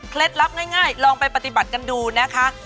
ลับง่ายลองไปปฏิบัติกันดูนะคะ